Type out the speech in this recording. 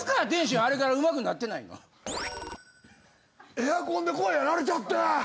エアコンで声やられちゃって。